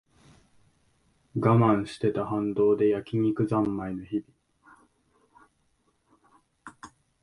我慢してた反動で焼き肉ざんまいの日々